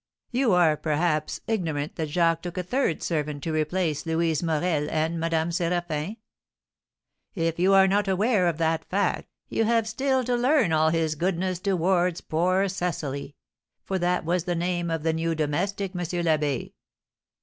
You are, perhaps, ignorant that Jacques took a third servant, to replace Louise Morel and Madame Séraphin? If you are not aware of that fact, you have still to learn all his goodness towards poor Cecily; for that was the name of the new domestic, M. l'Abbé."